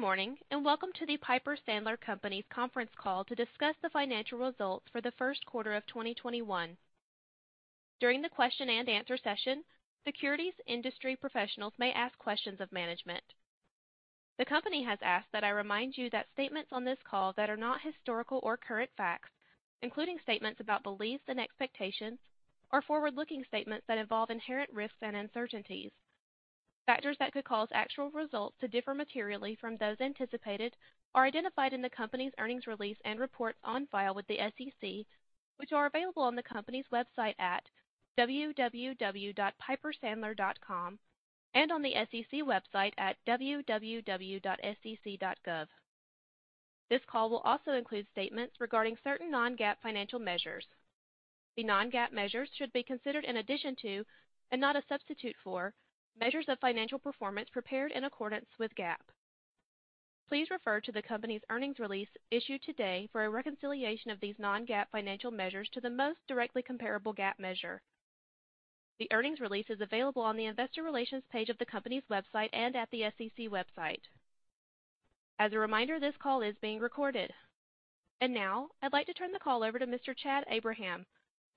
Good morning and welcome to the Piper Sandler Companies conference call to discuss the financial results for the first quarter of 2021. During the question-and-answer session, securities industry professionals may ask questions of management. The company has asked that I remind you that statements on this call that are not historical or current facts, including statements about beliefs and expectations, are forward-looking statements that involve inherent risks and uncertainties. Factors that could cause actual results to differ materially from those anticipated are identified in the company's earnings release and reports on file with the SEC, which are available on the company's website at www.pipersandler.com and on the SEC website at www.sec.gov. This call will also include statements regarding certain non-GAAP financial measures. The non-GAAP measures should be considered in addition to, and not a substitute for, measures of financial performance prepared in accordance with GAAP. Please refer to the company's earnings release issued today for a reconciliation of these non-GAAP financial measures to the most directly comparable GAAP measure. The earnings release is available on the investor relations page of the company's website and at the SEC website. As a reminder, this call is being recorded. And now, I'd like to turn the call over to Mr. Chad Abraham.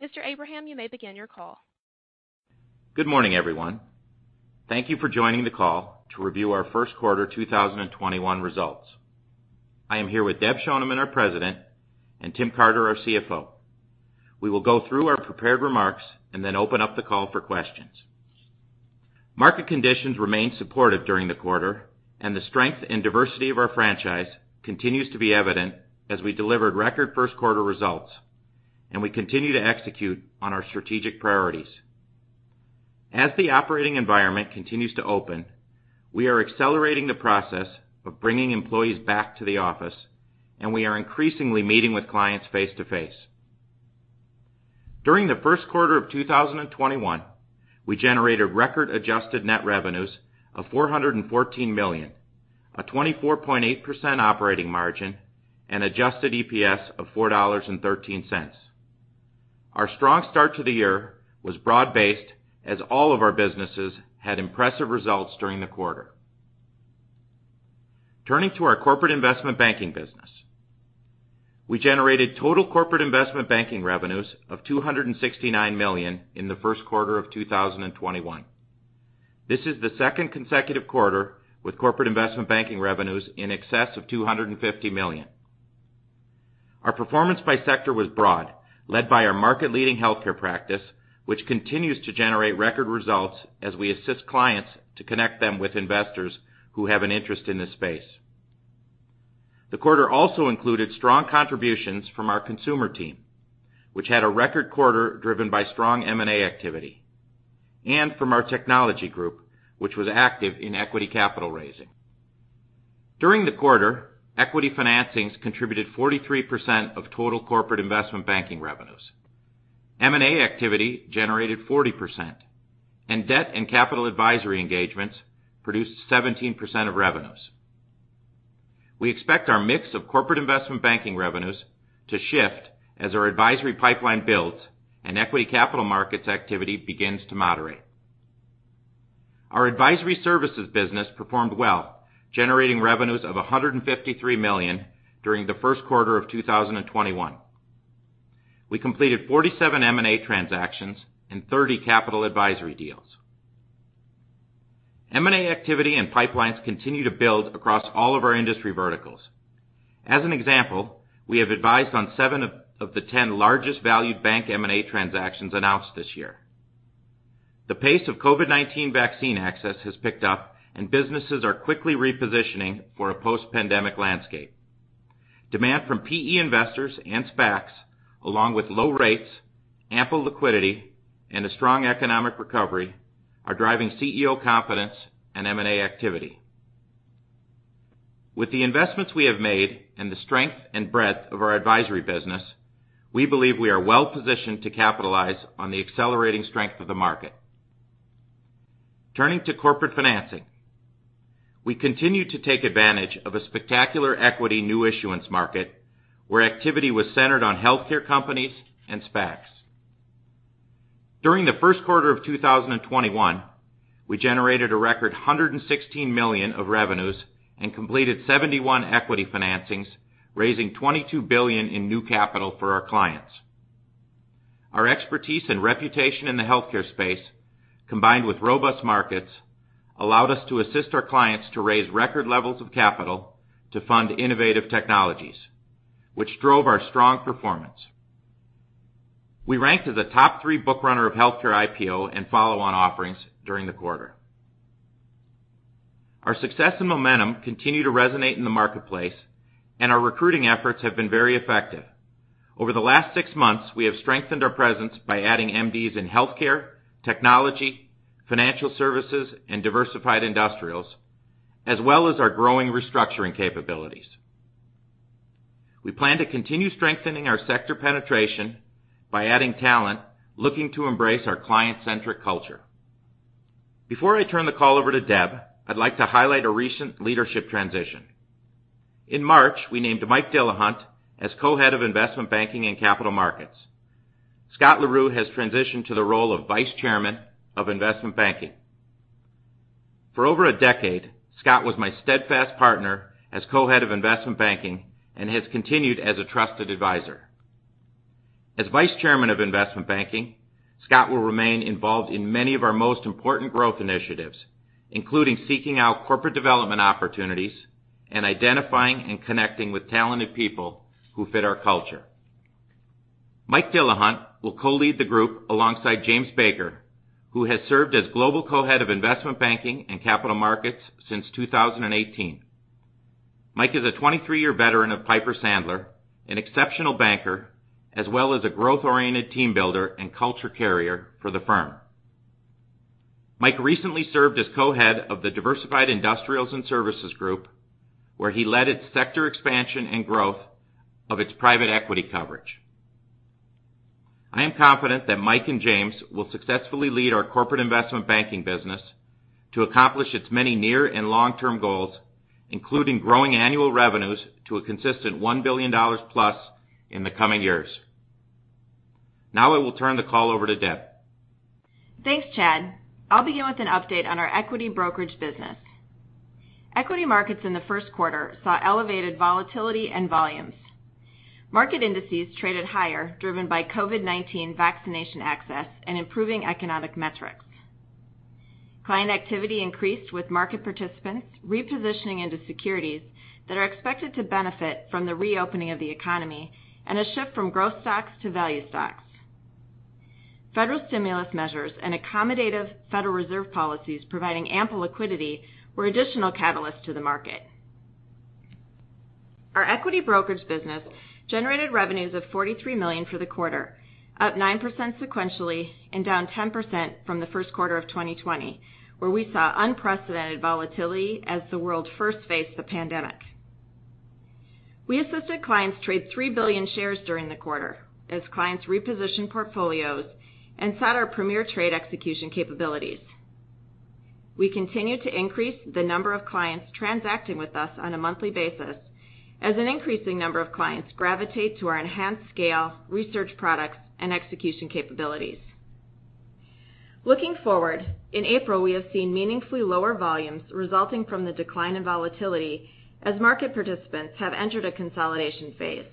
Mr. Abraham, you may begin your call. Good morning, everyone. Thank you for joining the call to review our first quarter 2021 results. I am here with Deb Schoneman, our President, and Tim Carter, our CFO. We will go through our prepared remarks and then open up the call for questions. Market conditions remain supportive during the quarter, and the strength and diversity of our franchise continues to be evident as we delivered record first quarter results, and we continue to execute on our strategic priorities. As the operating environment continues to open, we are accelerating the process of bringing employees back to the office, and we are increasingly meeting with clients face-to-face. During the first quarter of 2021, we generated record adjusted net revenues of $414 million, a 24.8% operating margin, and adjusted EPS of $4.13. Our strong start to the year was broad-based as all of our businesses had impressive results during the quarter. Turning to our corporate investment banking business, we generated total corporate investment banking revenues of $269 million in the first quarter of 2021. This is the second consecutive quarter with corporate investment banking revenues in excess of $250 million. Our performance by sector was broad, led by our market-leading healthcare practice, which continues to generate record results as we assist clients to connect them with investors who have an interest in this space. The quarter also included strong contributions from our consumer team, which had a record quarter driven by strong M&A activity, and from our technology group, which was active in equity capital raising. During the quarter, equity financings contributed 43% of total corporate investment banking revenues. M&A activity generated 40%, and debt and capital advisory engagements produced 17% of revenues. We expect our mix of corporate investment banking revenues to shift as our advisory pipeline builds and equity capital markets activity begins to moderate. Our advisory services business performed well, generating revenues of $153 million during the first quarter of 2021. We completed 47 M&A transactions and 30 capital advisory deals. M&A activity and pipelines continue to build across all of our industry verticals. As an example, we have advised on seven of the 10 largest valued bank M&A transactions announced this year. The pace of COVID-19 vaccine access has picked up, and businesses are quickly repositioning for a post-pandemic landscape. Demand from PE investors and SPACs, along with low rates, ample liquidity, and a strong economic recovery, are driving CEO confidence and M&A activity. With the investments we have made and the strength and breadth of our advisory business, we believe we are well-positioned to capitalize on the accelerating strength of the market. Turning to corporate financing, we continue to take advantage of a spectacular equity new issuance market where activity was centered on healthcare companies and SPACs. During the first quarter of 2021, we generated a record $116 million of revenues and completed 71 equity financings, raising $22 billion in new capital for our clients. Our expertise and reputation in the healthcare space, combined with robust markets, allowed us to assist our clients to raise record levels of capital to fund innovative technologies, which drove our strong performance. We ranked as a top three bookrunner of healthcare IPO and follow-on offerings during the quarter. Our success and momentum continue to resonate in the marketplace, and our recruiting efforts have been very effective. Over the last six months, we have strengthened our presence by adding MDs in healthcare, technology, financial services, and diversified industrials, as well as our growing restructuring capabilities. We plan to continue strengthening our sector penetration by adding talent looking to embrace our client-centric culture. Before I turn the call over to Deb, I'd like to highlight a recent leadership transition. In March, we named Mike Dillahunt as co-head of investment banking and capital markets. Scott LaRue has transitioned to the role of vice chairman of investment banking. For over a decade, Scott was my steadfast partner as co-head of investment banking and has continued as a trusted advisor. As vice chairman of investment banking, Scott will remain involved in many of our most important growth initiatives, including seeking out corporate development opportunities and identifying and connecting with talented people who fit our culture. Mike Dillahunt will co-lead the group alongside James Baker, who has served as global co-head of investment banking and capital markets since 2018. Mike is a 23-year veteran of Piper Sandler, an exceptional banker, as well as a growth-oriented team builder and culture carrier for the firm. Mike recently served as co-head of the diversified industrials and services group, where he led its sector expansion and growth of its private equity coverage. I am confident that Mike and James will successfully lead our corporate investment banking business to accomplish its many near and long-term goals, including growing annual revenues to a consistent $1 billion plus in the coming years. Now, I will turn the call over to Deb. Thanks, Chad. I'll begin with an update on our equity brokerage business. Equity markets in the first quarter saw elevated volatility and volumes. Market indices traded higher, driven by COVID-19 vaccination access and improving economic metrics. Client activity increased with market participants repositioning into securities that are expected to benefit from the reopening of the economy and a shift from growth stocks to value stocks. Federal stimulus measures and accommodative Federal Reserve policies providing ample liquidity were additional catalysts to the market. Our equity brokerage business generated revenues of $43 million for the quarter, up 9% sequentially and down 10% from the first quarter of 2020, where we saw unprecedented volatility as the world first faced the pandemic. We assisted clients trade 3 billion shares during the quarter as clients repositioned portfolios and sought our premier trade execution capabilities. We continue to increase the number of clients transacting with us on a monthly basis as an increasing number of clients gravitate to our enhanced scale, research products, and execution capabilities. Looking forward, in April, we have seen meaningfully lower volumes resulting from the decline in volatility as market participants have entered a consolidation phase.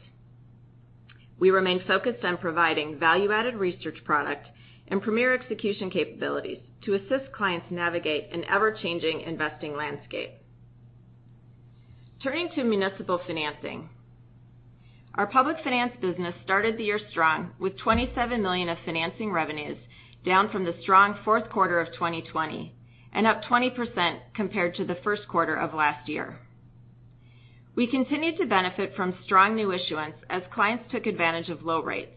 We remain focused on providing value-added research product and premier execution capabilities to assist clients navigate an ever-changing investing landscape. Turning to municipal financing, our public finance business started the year strong with $27 million of financing revenues, down from the strong fourth quarter of 2020 and up 20% compared to the first quarter of last year. We continue to benefit from strong new issuance as clients took advantage of low rates.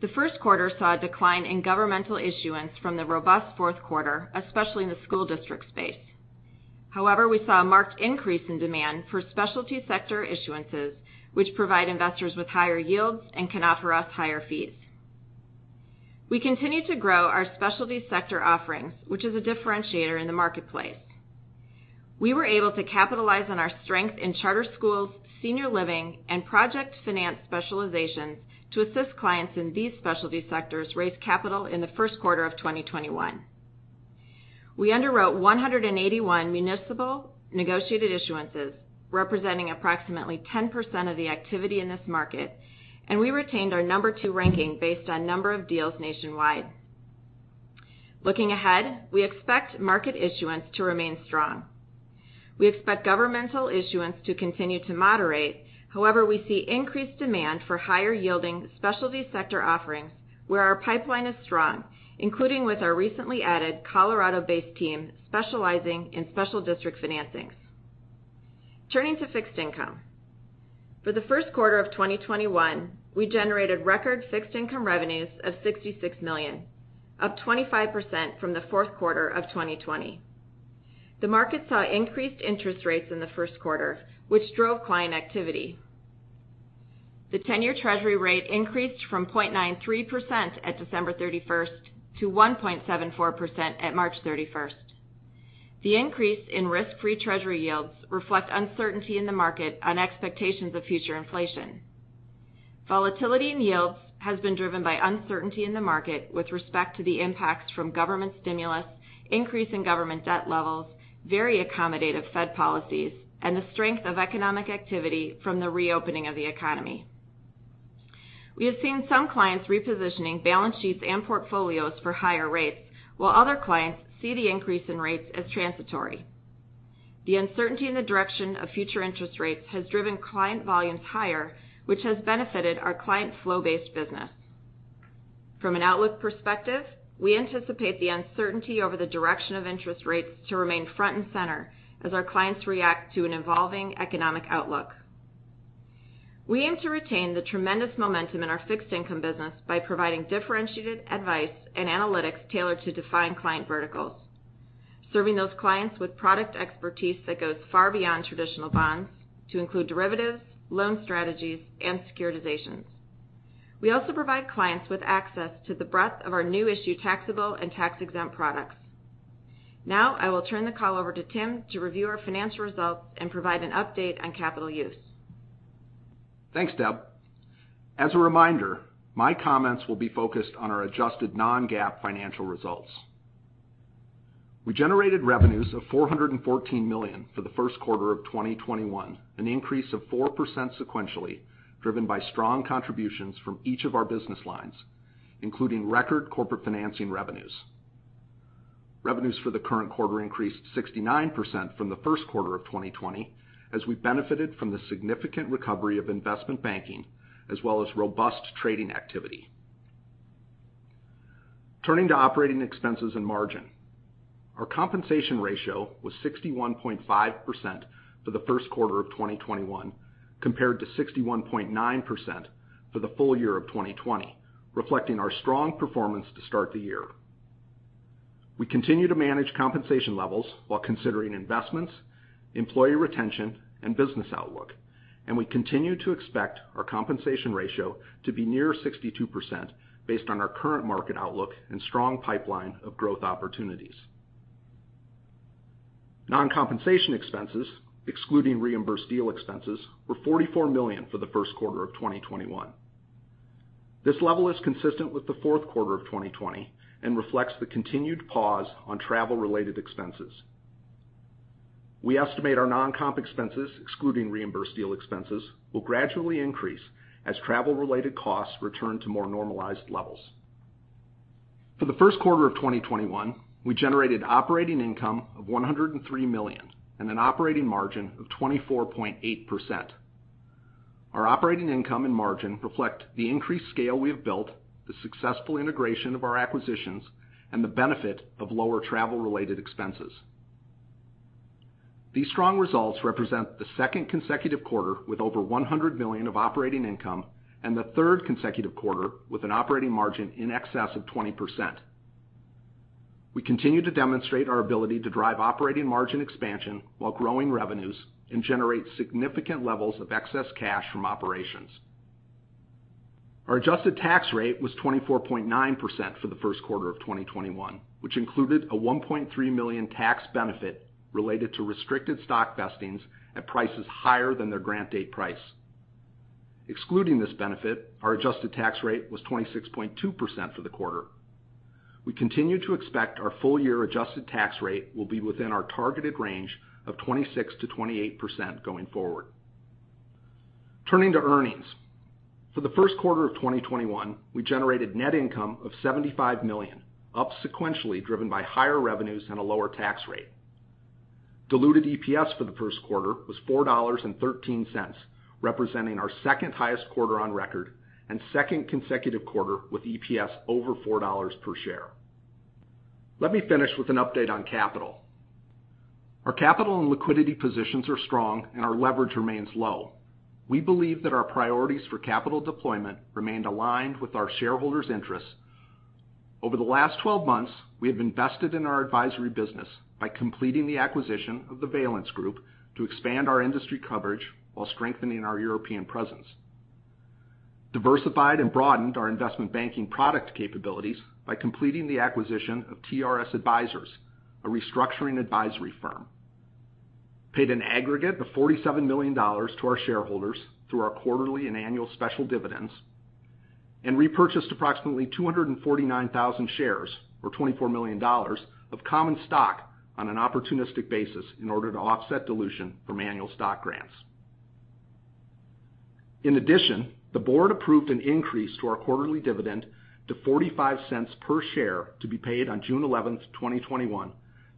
The first quarter saw a decline in governmental issuance from the robust fourth quarter, especially in the school district space. However, we saw a marked increase in demand for specialty sector issuances, which provide investors with higher yields and can offer us higher fees. We continue to grow our specialty sector offerings, which is a differentiator in the marketplace. We were able to capitalize on our strength in charter schools, senior living, and project finance specializations to assist clients in these specialty sectors raise capital in the first quarter of 2021. We underwrote 181 municipal negotiated issuances, representing approximately 10% of the activity in this market, and we retained our number two ranking based on number of deals nationwide. Looking ahead, we expect market issuance to remain strong. We expect governmental issuance to continue to moderate. However, we see increased demand for higher-yielding specialty sector offerings where our pipeline is strong, including with our recently added Colorado-based team specializing in special district financings. Turning to fixed income, for the first quarter of 2021, we generated record fixed income revenues of $66 million, up 25% from the fourth quarter of 2020. The market saw increased interest rates in the first quarter, which drove client activity. The 10-year Treasury rate increased from 0.93% at December 31st to 1.74% at March 31st. The increase in risk-free Treasury yields reflects uncertainty in the market on expectations of future inflation. Volatility in yields has been driven by uncertainty in the market with respect to the impacts from government stimulus, increase in government debt levels, very accommodative Fed policies, and the strength of economic activity from the reopening of the economy. We have seen some clients repositioning balance sheets and portfolios for higher rates, while other clients see the increase in rates as transitory. The uncertainty in the direction of future interest rates has driven client volumes higher, which has benefited our client flow-based business. From an outlook perspective, we anticipate the uncertainty over the direction of interest rates to remain front and center as our clients react to an evolving economic outlook. We aim to retain the tremendous momentum in our fixed income business by providing differentiated advice and analytics tailored to define client verticals, serving those clients with product expertise that goes far beyond traditional bonds to include derivatives, loan strategies, and securitizations. We also provide clients with access to the breadth of our new issue taxable and tax-exempt products. Now, I will turn the call over to Tim to review our financial results and provide an update on capital use. Thanks, Deb. As a reminder, my comments will be focused on our adjusted non-GAAP financial results. We generated revenues of $414 million for the first quarter of 2021, an increase of 4% sequentially driven by strong contributions from each of our business lines, including record corporate financing revenues. Revenues for the current quarter increased 69% from the first quarter of 2020 as we benefited from the significant recovery of investment banking as well as robust trading activity. Turning to operating expenses and margin, our compensation ratio was 61.5% for the first quarter of 2021 compared to 61.9% for the full year of 2020, reflecting our strong performance to start the year. We continue to manage compensation levels while considering investments, employee retention, and business outlook, and we continue to expect our compensation ratio to be near 62% based on our current market outlook and strong pipeline of growth opportunities. Non-compensation expenses, excluding reimbursed deal expenses, were $44 million for the first quarter of 2021. This level is consistent with the fourth quarter of 2020 and reflects the continued pause on travel-related expenses. We estimate our non-comp expenses, excluding reimbursed deal expenses, will gradually increase as travel-related costs return to more normalized levels. For the first quarter of 2021, we generated operating income of $103 million and an operating margin of 24.8%. Our operating income and margin reflect the increased scale we have built, the successful integration of our acquisitions, and the benefit of lower travel-related expenses. These strong results represent the second consecutive quarter with over $100 million of operating income and the third consecutive quarter with an operating margin in excess of 20%. We continue to demonstrate our ability to drive operating margin expansion while growing revenues and generate significant levels of excess cash from operations. Our adjusted tax rate was 24.9% for the first quarter of 2021, which included a $1.3 million tax benefit related to restricted stock vestings at prices higher than their grant date price. Excluding this benefit, our adjusted tax rate was 26.2% for the quarter. We continue to expect our full-year adjusted tax rate will be within our targeted range of 26%-28% going forward. Turning to earnings, for the first quarter of 2021, we generated net income of $75 million, up sequentially driven by higher revenues and a lower tax rate. Diluted EPS for the first quarter was $4.13, representing our second highest quarter on record and second consecutive quarter with EPS over $4 per share. Let me finish with an update on capital. Our capital and liquidity positions are strong and our leverage remains low. We believe that our priorities for capital deployment remained aligned with our shareholders' interests. Over the last 12 months, we have invested in our advisory business by completing the acquisition of The Valence Group to expand our industry coverage while strengthening our European presence. Diversified and broadened our investment banking product capabilities by completing the acquisition of TRS Advisors, a restructuring advisory firm. Paid in aggregate the $47 million to our shareholders through our quarterly and annual special dividends and repurchased approximately 249,000 shares, or $24 million, of common stock on an opportunistic basis in order to offset dilution from annual stock grants. In addition, the board approved an increase to our quarterly dividend to $0.45 per share to be paid on June 11th, 2021,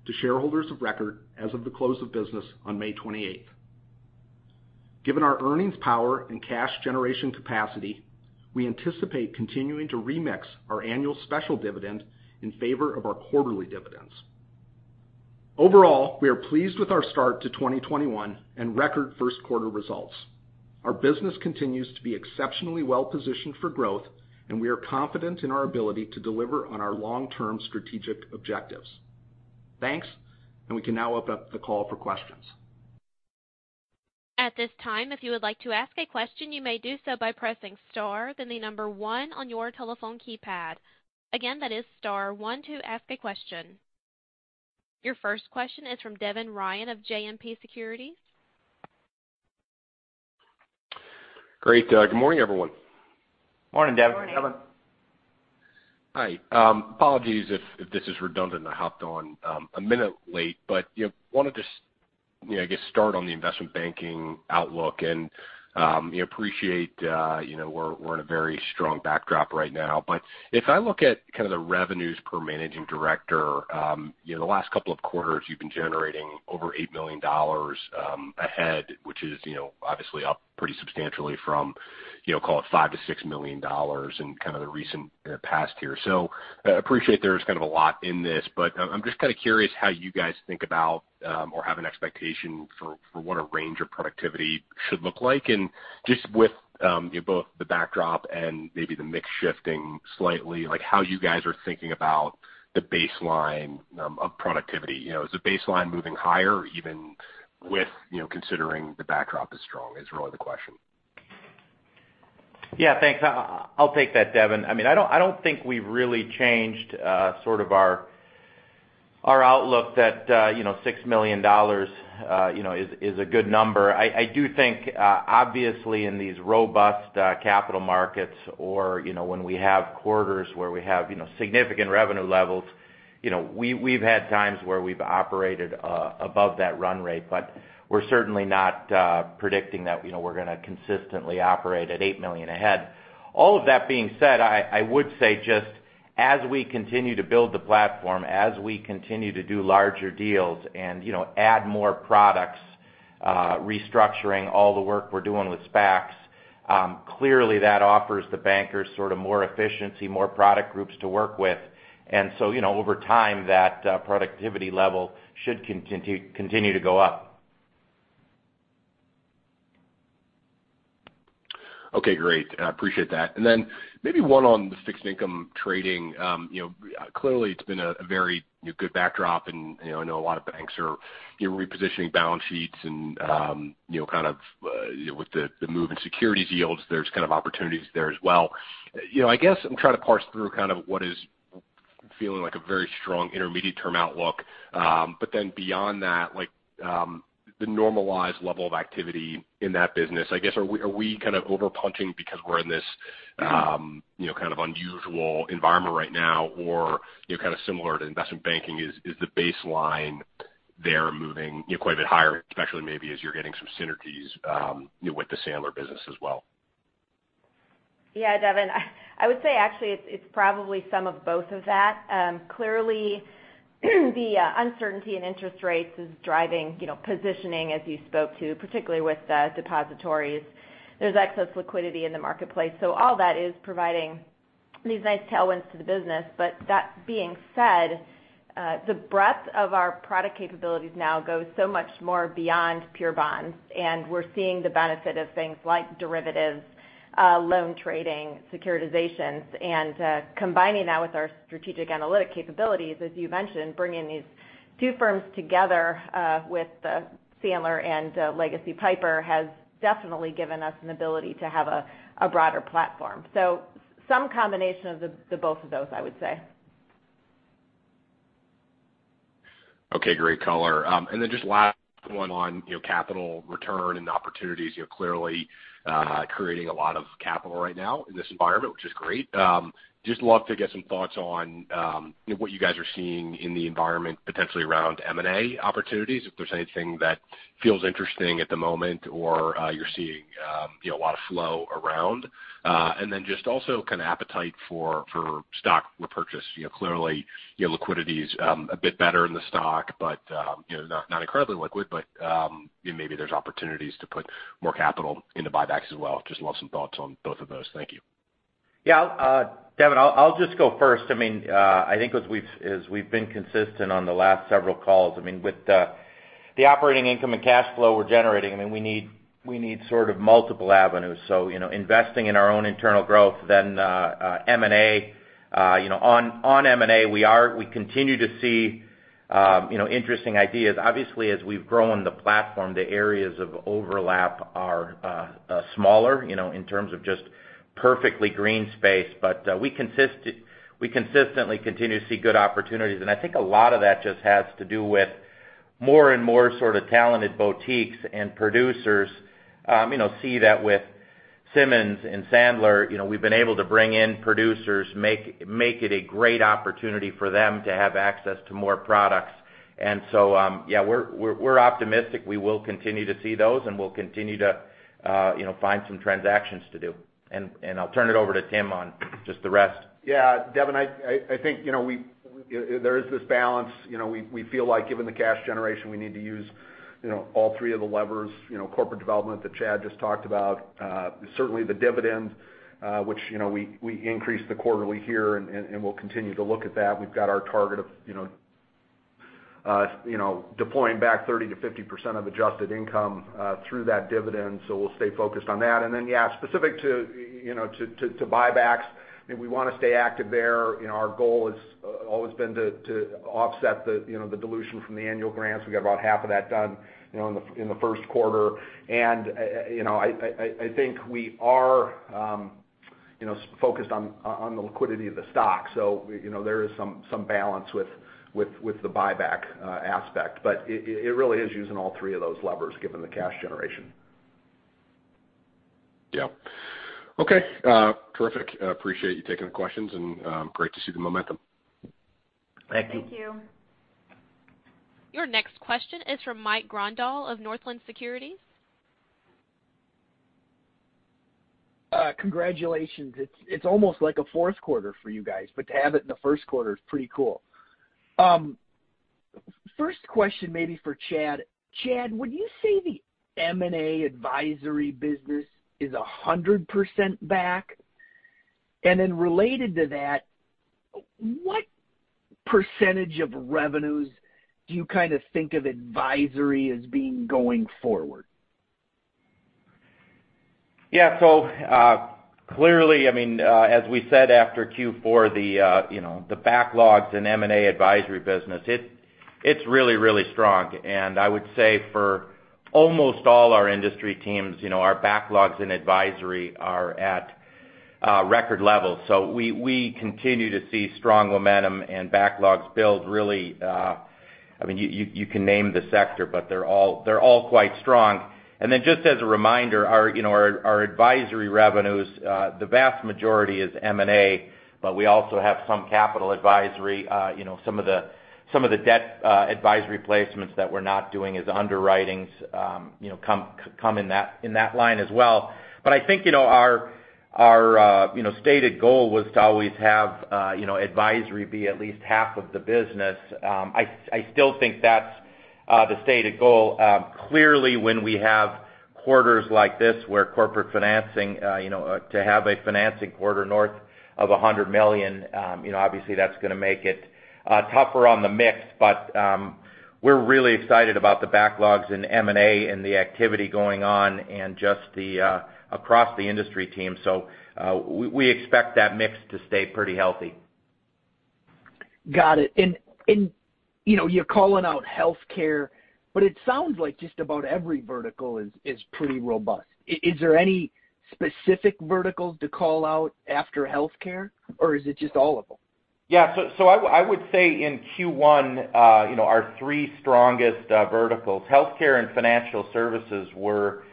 to shareholders of record as of the close of business on May 28th. Given our earnings power and cash generation capacity, we anticipate continuing to remix our annual special dividend in favor of our quarterly dividends. Overall, we are pleased with our start to 2021 and record first quarter results. Our business continues to be exceptionally well-positioned for growth, and we are confident in our ability to deliver on our long-term strategic objectives. Thanks, and we can now open up the call for questions. At this time, if you would like to ask a question, you may do so by pressing Star, then the number one on your telephone keypad. Again, that is Star one to ask a question. Your first question is from Devin Ryan of JMP Securities. Great. Good morning, everyone. Morning, Devin. Morning. Hi. Apologies if this is redundant. I hopped on a minute late, but wanted to, I guess, start on the investment banking outlook and appreciate we're in a very strong backdrop right now, but if I look at kind of the revenues per managing director, the last couple of quarters you've been generating over $8 million per head, which is obviously up pretty substantially from, call it, $5 million-$6 million in kind of the recent past year, so I appreciate there's kind of a lot in this, but I'm just kind of curious how you guys think about or have an expectation for what a range of productivity should look like, and just with both the backdrop and maybe the mix shifting slightly, how you guys are thinking about the baseline of productivity. Is the baseline moving higher even with considering the backdrop is strong is really the question. Yeah. Thanks. I'll take that, Devin. I mean, I don't think we've really changed sort of our outlook that $6 million is a good number. I do think, obviously, in these robust capital markets or when we have quarters where we have significant revenue levels, we've had times where we've operated above that run rate, but we're certainly not predicting that we're going to consistently operate at $8 million ahead. All of that being said, I would say just as we continue to build the platform, as we continue to do larger deals and add more products, restructuring all the work we're doing with SPACs, clearly that offers the bankers sort of more efficiency, more product groups to work with, and so over time, that productivity level should continue to go up. Okay. Great. I appreciate that. And then maybe one on the fixed income trading. Clearly, it's been a very good backdrop, and I know a lot of banks are repositioning balance sheets and kind of with the move in securities yields, there's kind of opportunities there as well. I guess I'm trying to parse through kind of what is feeling like a very strong intermediate-term outlook, but then beyond that, the normalized level of activity in that business. I guess, are we kind of overpunching because we're in this kind of unusual environment right now or kind of similar to investment banking? Is the baseline there moving quite a bit higher, especially maybe as you're getting some synergies with the Sandler business as well? Yeah, Devin. I would say actually it's probably some of both of that. Clearly, the uncertainty in interest rates is driving positioning, as you spoke to, particularly with depositories. There's excess liquidity in the marketplace. So all that is providing these nice tailwinds to the business. But that being said, the breadth of our product capabilities now goes so much more beyond pure bonds, and we're seeing the benefit of things like derivatives, loan trading, securitizations, and combining that with our strategic analytic capabilities, as you mentioned. Bringing these two firms together with Sandler and Legacy Piper has definitely given us an ability to have a broader platform. So some combination of both of those, I would say. Okay. Great color. And then just last one on capital return and opportunities. Clearly, creating a lot of capital right now in this environment, which is great. Just love to get some thoughts on what you guys are seeing in the environment potentially around M&A opportunities, if there's anything that feels interesting at the moment or you're seeing a lot of flow around. And then just also kind of appetite for stock repurchase. Clearly, liquidity is a bit better in the stock, but not incredibly liquid, but maybe there's opportunities to put more capital into buybacks as well. Just love some thoughts on both of those. Thank you. Yeah. Devin, I'll just go first. I mean, I think as we've been consistent on the last several calls, I mean, with the operating income and cash flow we're generating, I mean, we need sort of multiple avenues. So investing in our own internal growth, then M&A. On M&A, we continue to see interesting ideas. Obviously, as we've grown the platform, the areas of overlap are smaller in terms of just perfectly green space, but we consistently continue to see good opportunities. And I think a lot of that just has to do with more and more sort of talented boutiques and producers. See that with Simmons and Sandler. We've been able to bring in producers, make it a great opportunity for them to have access to more products. And so, yeah, we're optimistic we will continue to see those, and we'll continue to find some transactions to do. I'll turn it over to Tim on just the rest. Yeah. Devin, I think there is this balance. We feel like given the cash generation, we need to use all three of the levers: corporate development that Chad just talked about, certainly the dividend, which we increase the quarterly here, and we'll continue to look at that. We've got our target of deploying back 30%-50% of adjusted income through that dividend, so we'll stay focused on that. And then, yeah, specific to buybacks, we want to stay active there. Our goal has always been to offset the dilution from the annual grants. We got about half of that done in the first quarter. And I think we are focused on the liquidity of the stock, so there is some balance with the buyback aspect, but it really is using all three of those levers given the cash generation. Yeah. Okay. Terrific. Appreciate you taking the questions, and great to see the momentum. Thank you. Thank you. Your next question is from Mike Grondahl of Northland Securities. Congratulations. It's almost like a fourth quarter for you guys, but to have it in the first quarter is pretty cool. First question maybe for Chad. Chad, would you say the M&A advisory business is 100% back? And then related to that, what percentage of revenues do you kind of think of advisory as being going forward? Yeah. So clearly, I mean, as we said after Q4, the backlogs in M&A advisory business, it's really, really strong. And I would say for almost all our industry teams, our backlogs in advisory are at record levels. We continue to see strong momentum and backlogs build really. I mean, you can name the sector, but they're all quite strong. And then just as a reminder, our advisory revenues, the vast majority is M&A, but we also have some capital advisory. Some of the debt advisory placements that we're not doing as underwritings come in that line as well. But I think our stated goal was to always have advisory be at least half of the business. I still think that's the stated goal. Clearly, when we have quarters like this where corporate financing to have a financing quarter north of $100 million, obviously that's going to make it tougher on the mix, but we're really excited about the backlogs in M&A and the activity going on and just across the industry team, so we expect that mix to stay pretty healthy. Got it. And you're calling out healthcare, but it sounds like just about every vertical is pretty robust. Is there any specific verticals to call out after healthcare, or is it just all of them? Yeah. So I would say in Q1, our three strongest verticals, healthcare and financial services, were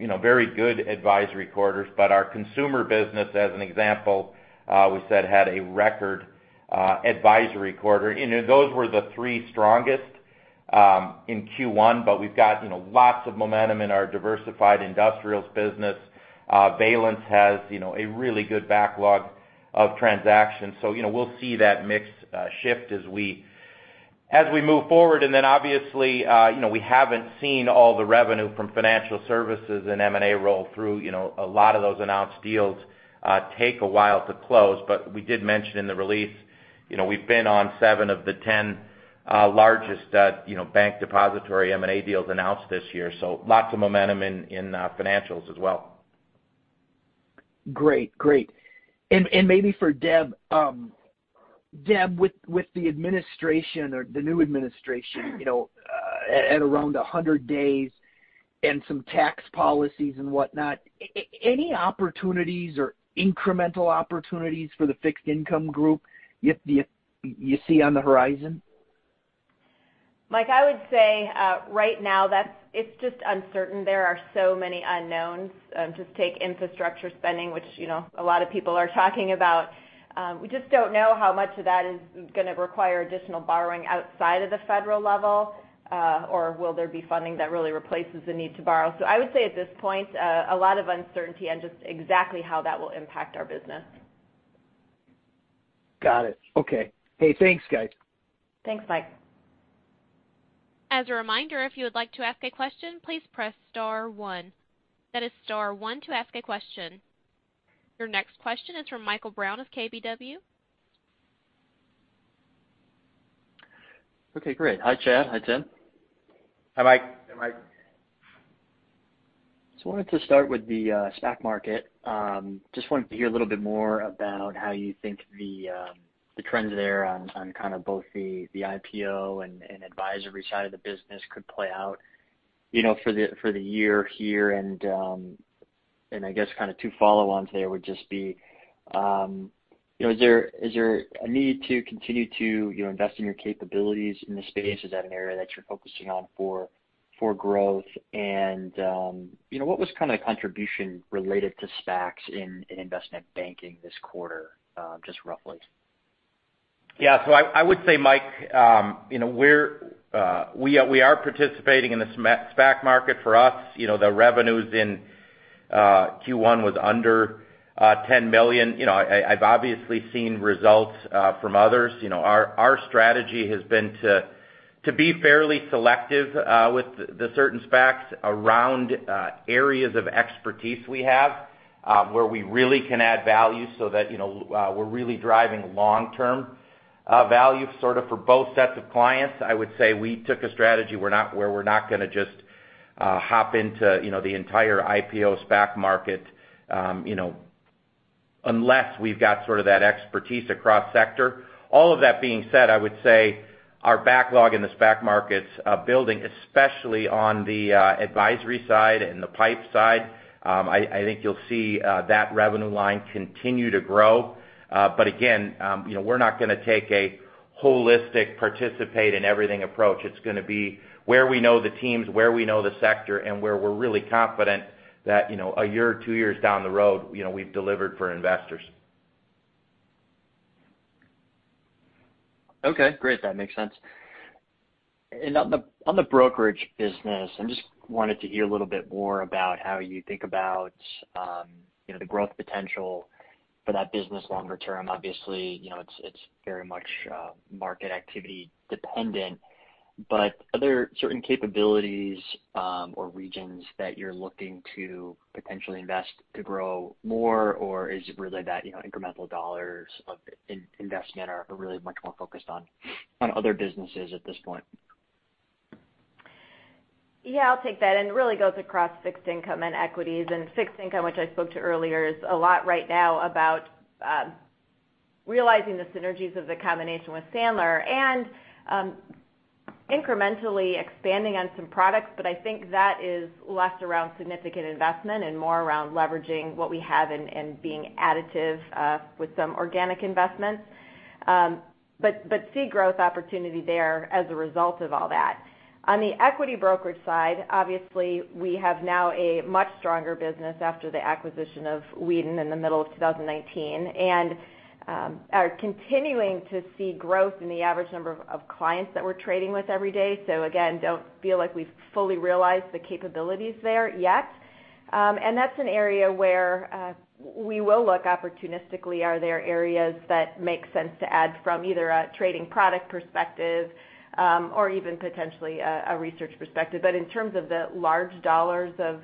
very good advisory quarters, but our consumer business, as an example, we said had a record advisory quarter. Those were the three strongest in Q1, but we've got lots of momentum in our diversified industrials business. Valence has a really good backlog of transactions. So we'll see that mix shift as we move forward. And then obviously, we haven't seen all the revenue from financial services and M&A roll through. A lot of those announced deals take a while to close, but we did mention in the release, we've been on seven of the 10 largest bank depository M&A deals announced this year. So lots of momentum in financials as well. Great. Great. And maybe for Deb, Deb, with the administration or the new administration at around 100 days and some tax policies and whatnot, any opportunities or incremental opportunities for the fixed income group you see on the horizon? Mike, I would say right now it's just uncertain. There are so many unknowns. Just take infrastructure spending, which a lot of people are talking about. We just don't know how much of that is going to require additional borrowing outside of the federal level, or will there be funding that really replaces the need to borrow? So I would say at this point, a lot of uncertainty on just exactly how that will impact our business. Got it. Okay. Hey, thanks, guys. Thanks, Mike. As a reminder, if you would like to ask a question, please press Star One. That is Star One to ask a question. Your next question is from Michael Brown of KBW. Okay. Great. Hi, Chad. Hi, Tim. Hi, Mike. Hey, Mike. So I wanted to start with the SPAC market. Just wanted to hear a little bit more about how you think the trends there on kind of both the IPO and advisory side of the business could play out for the year here. And I guess kind of two follow-ons there would just be, is there a need to continue to invest in your capabilities in this space? Is that an area that you're focusing on for growth? And what was kind of the contribution related to SPACs in investment banking this quarter, just roughly? Yeah. So I would say, Mike, we are participating in the SPAC market. For us, the revenues in Q1 was under $10 million. I've obviously seen results from others. Our strategy has been to be fairly selective with the certain SPACs around areas of expertise we have where we really can add value so that we're really driving long-term value sort of for both sets of clients. I would say we took a strategy where we're not going to just hop into the entire IPO SPAC market unless we've got sort of that expertise across sector. All of that being said, I would say our backlog in the SPAC market's building, especially on the advisory side and the PIPE side. I think you'll see that revenue line continue to grow. But again, we're not going to take a holistic participate-in-everything approach. It's going to be where we know the teams, where we know the sector, and where we're really confident that a year or two years down the road, we've delivered for investors. Okay. Great. That makes sense. And on the brokerage business, I just wanted to hear a little bit more about how you think about the growth potential for that business longer term. Obviously, it's very much market activity dependent, but other certain capabilities or regions that you're looking to potentially invest to grow more, or is it really that incremental dollars of investment are really much more focused on other businesses at this point? Yeah, I'll take that. And it really goes across fixed income and equities. And fixed income, which I spoke to earlier, is a lot right now about realizing the synergies of the combination with Sandler and incrementally expanding on some products, but I think that is less around significant investment and more around leveraging what we have and being additive with some organic investments. But see growth opportunity there as a result of all that. On the equity brokerage side, obviously, we have now a much stronger business after the acquisition of Weeden in the middle of 2019, and are continuing to see growth in the average number of clients that we're trading with every day. So again, don't feel like we've fully realized the capabilities there yet. And that's an area where we will look opportunistically. Are there areas that make sense to add from either a trading product perspective or even potentially a research perspective? But in terms of the large dollars of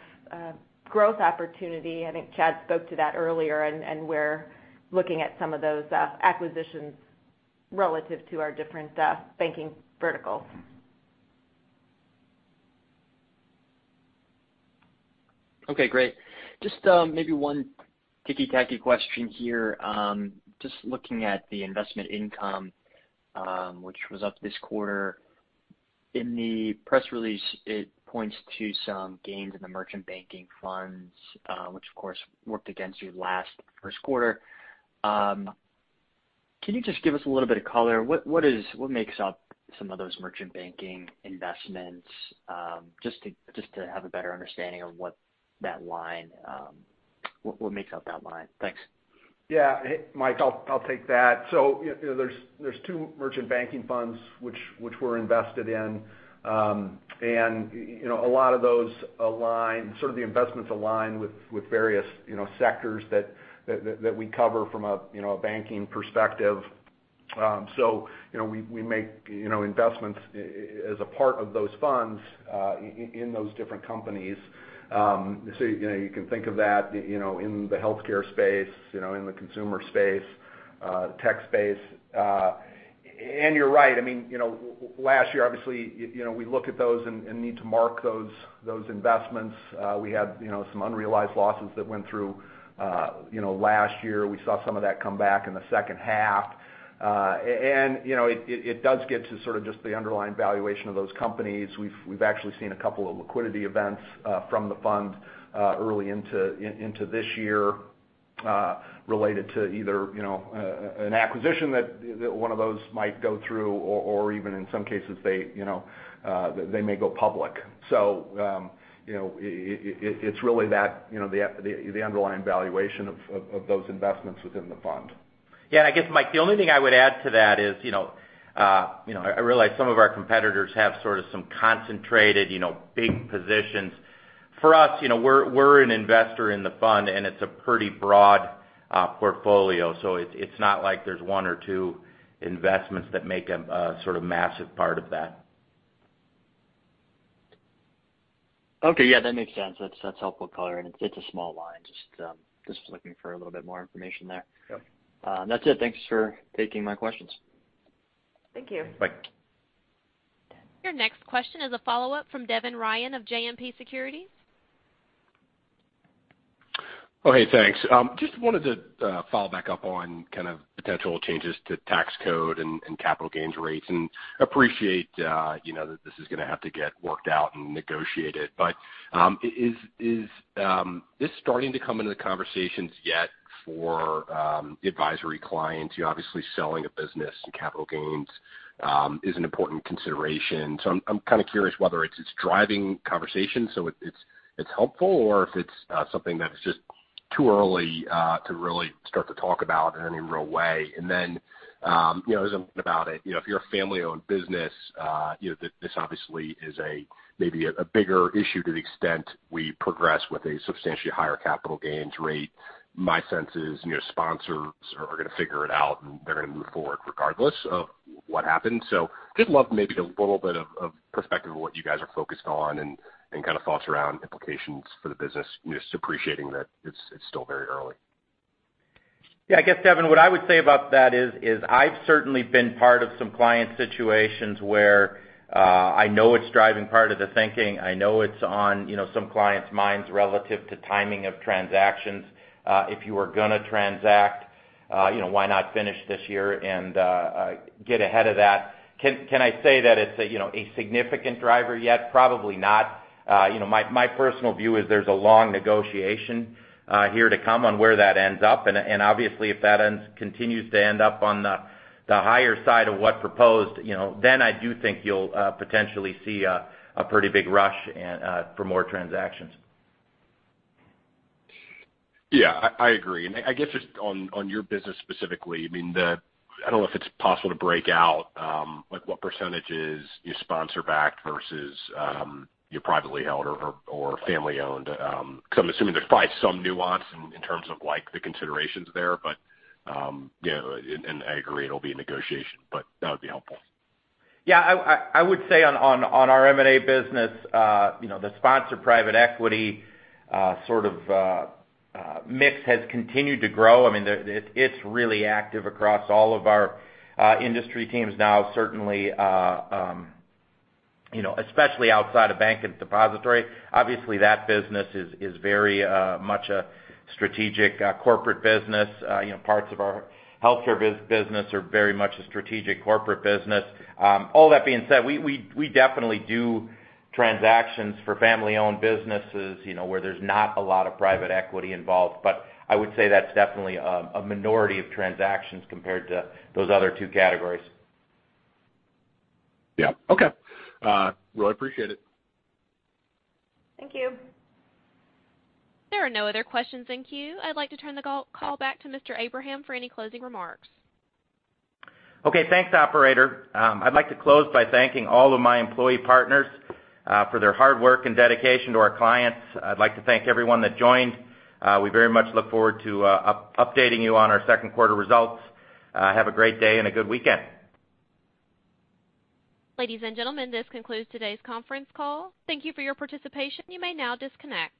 growth opportunity, I think Chad spoke to that earlier, and we're looking at some of those acquisitions relative to our different banking verticals. Okay. Great. Just maybe one ticky-tacky question here. Just looking at the investment income, which was up this quarter, in the press release, it points to some gains in the merchant banking funds, which, of course, worked against your last first quarter. Can you just give us a little bit of color? What makes up some of those merchant banking investments? Just to have a better understanding of what makes up that line? Thanks. Yeah. Mike, I'll take that. So there's two merchant banking funds which we're invested in, and a lot of those align sort of the investments align with various sectors that we cover from a banking perspective. So we make investments as a part of those funds in those different companies. So you can think of that in the healthcare space, in the consumer space, tech space. And you're right. I mean, last year, obviously, we look at those and need to mark those investments. We had some unrealized losses that went through last year. We saw some of that come back in the second half. And it does get to sort of just the underlying valuation of those companies. We've actually seen a couple of liquidity events from the fund early into this year related to either an acquisition that one of those might go through, or even in some cases, they may go public. So it's really that the underlying valuation of those investments within the fund. Yeah. And I guess, Mike, the only thing I would add to that is I realize some of our competitors have sort of some concentrated big positions. For us, we're an investor in the fund, and it's a pretty broad portfolio. So it's not like there's one or two investments that make a sort of massive part of that. Okay. Yeah, that makes sense. That's helpful color. And it's a small line. Just looking for a little bit more information there. That's it. Thanks for taking my questions. Thank you. Bye. Your next question is a follow-up from Devin Ryan of JMP Securities. Oh, hey, thanks. Just wanted to follow back up on kind of potential changes to tax code and capital gains rates, and appreciate that this is going to have to get worked out and negotiated. But is this starting to come into the conversations yet for advisory clients? Obviously, selling a business and capital gains is an important consideration, so I'm kind of curious whether it's driving conversations, so it's helpful, or if it's something that's just too early to really start to talk about in any real way, and then as I'm thinking about it, if you're a family-owned business, this obviously is maybe a bigger issue to the extent we progress with a substantially higher capital gains rate. My sense is sponsors are going to figure it out, and they're going to move forward regardless of what happens. So, just love maybe a little bit of perspective of what you guys are focused on and kind of thoughts around implications for the business. Just appreciating that it's still very early. Yeah. I guess, Devin, what I would say about that is I've certainly been part of some client situations where I know it's driving part of the thinking. I know it's on some clients' minds relative to timing of transactions. If you are going to transact, why not finish this year and get ahead of that? Can I say that it's a significant driver yet? Probably not. My personal view is there's a long negotiation here to come on where that ends up, and obviously, if that continues to end up on the higher side of what proposed, then I do think you'll potentially see a pretty big rush for more transactions. Yeah, I agree, and I guess just on your business specifically, I mean, I don't know if it's possible to break out what percentage is sponsor-backed versus privately held or family-owned, so I'm assuming there's probably some nuance in terms of the considerations there, and I agree it'll be a negotiation, but that would be helpful. Yeah. I would say on our M&A business, the sponsor-private equity sort of mix has continued to grow. I mean, it's really active across all of our industry teams now, certainly, especially outside of bank and depository. Obviously, that business is very much a strategic corporate business. Parts of our healthcare business are very much a strategic corporate business. All that being said, we definitely do transactions for family-owned businesses where there's not a lot of private equity involved, but I would say that's definitely a minority of transactions compared to those other two categories. Yeah. Okay. Really appreciate it. Thank you. There are no other questions in queue. I'd like to turn the call back to Mr. Abraham for any closing remarks. Okay. Thanks, operator. I'd like to close by thanking all of my employee partners for their hard work and dedication to our clients. I'd like to thank everyone that joined. We very much look forward to updating you on our second quarter results. Have a great day and a good weekend. Ladies and gentlemen, this concludes today's conference call. Thank you for your participation. You may now disconnect.